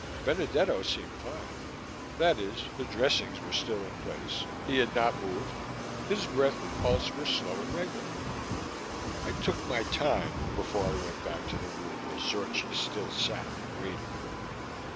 Benedetto seemed fine that is, the dressings were still in place, he had not moved, his breath and pulse were slow and regular. I took my time before I went back to the room where Zorchi still sat waiting.